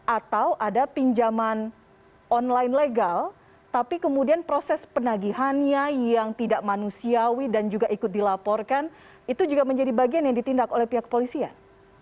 atau ada pinjaman online legal tapi kemudian proses penagihannya yang tidak manusiawi dan juga ikut dilaporkan itu juga menjadi bagian yang ditindak oleh pihak polisian